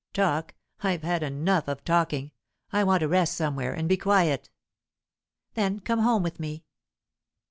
"Talk! I've had enough of talking. I want to rest somewhere, and be quiet." "Then come home with me."